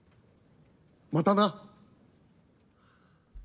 またな。